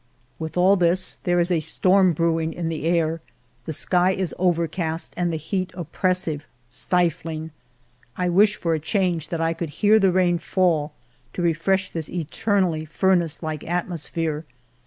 With all this, there is a storm brewing in the air, the sky is overcast, and the heat oppressive, stifling. I wish for a change that I could hear the rain fall to refresh this eternally furnace like at mosphere.